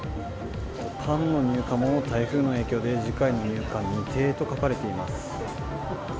パンの入荷も台風の影響で、次回の入荷未定と書かれています。